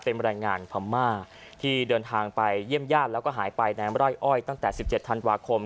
เป็นบรรยายงานพรรมาที่เดินทางไปเยี่ยมญาติแล้วก็หายไปในมร่อยอ้อยตั้งแต่สิบเจ็ดธันวาคม